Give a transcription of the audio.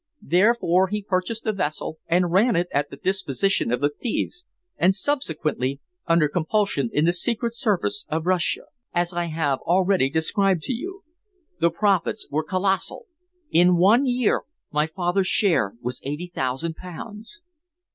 Therefore he purchased the vessel, and ran it at the disposition of the thieves, and subsequently under compulsion in the secret service of Russia, as I have already described to you. The profits were colossal. In one year my father's share was eighty thousand pounds."